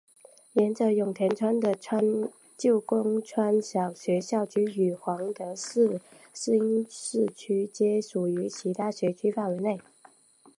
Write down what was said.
沿着永田川的旧宫川小学校校区与皇德寺新市区皆属于其学区范围内。